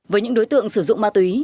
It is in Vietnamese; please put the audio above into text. với những đối tượng sử dụng ma túy